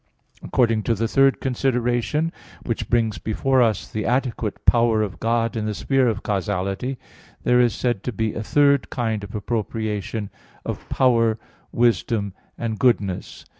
According to the third consideration, which brings before us the adequate power of God in the sphere of causality, there is said to be a third kind of appropriation, of "power," "wisdom," and "goodness."